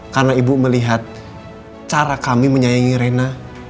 karena ibu melihat cara kami menyayangi rena